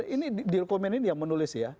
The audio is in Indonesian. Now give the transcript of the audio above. ini di dokumen ini yang menulis ya